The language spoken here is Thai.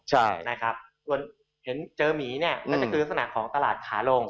เจ้าหมีน่าจะคือรสนักของตลาดขาลง